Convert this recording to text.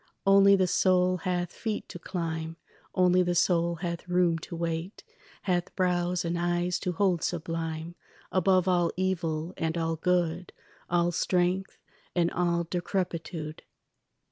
Only the soul hath feet to climb, Only the soul hath room to wait, Hath brows and eyes to hold sublime Above all evil and all good, All strength and all decrepitude.